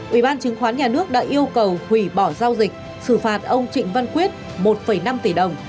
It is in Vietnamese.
ubnd đã yêu cầu hủy bỏ giao dịch xử phạt ông trịnh văn quyết một năm tỷ đồng